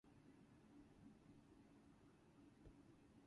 No one really had an inkling as to what this organization truly entailed.